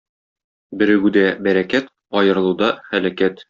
Берегүдә - бәрәкәт, аерылуда - һәлакәт.